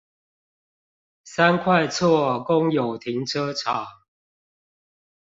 三塊厝公有停車場